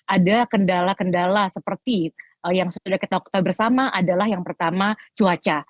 ada kendala kendala seperti yang sudah kita ketahui bersama adalah yang pertama cuaca